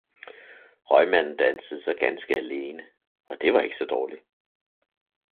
Røgmanden dansede så ganske alene, og det var ikke så dårligt